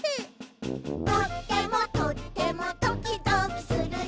「とってもとってもドキドキするね」